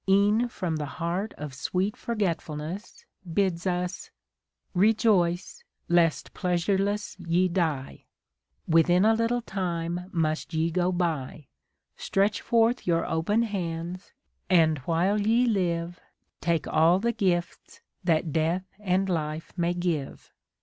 E'en from the heart of sweet Forgetfulness, Bids us, Rejoice, lest pleasureless ye die. Within a little time must ye go by. Stretch forth your open hands, and while ye live Take all the gifts that Death and Life may give!"